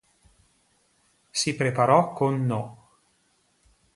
Si preparò con No.